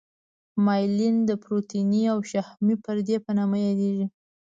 مایلین د پروتیني او شحمي پردې په نامه یادیږي.